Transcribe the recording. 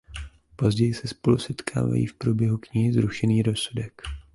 Později se spolu setkají v průběhu knihy Zrušený rozsudek.